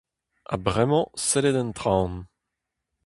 Ha bremañ sellit en traoñ.